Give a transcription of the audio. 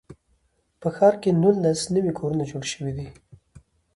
په ښار کې نولس نوي کورونه جوړ شوي دي.